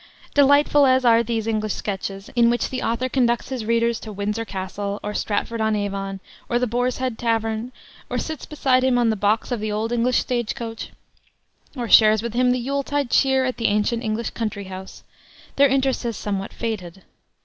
Delightful as are these English sketches, in which the author conducts his readers to Windsor Castle, or Stratford on Avon, or the Boar's Head Tavern, or sits beside him on the box of the old English stage coach, or shares with him the Yuletide cheer at the ancient English country house, their interest has somewhat faded.